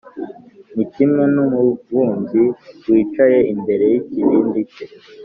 Ni kimwe n’umubumbyi wicaye imbere y’ikibindi cye,